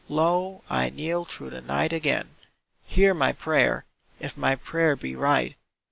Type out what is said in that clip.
Low I kneel through the night again, Hear my prayer, if my prayer be right!